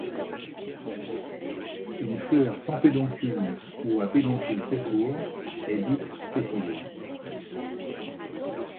Une fleur sans pédoncule, ou à pédoncule très court, est dite sessile.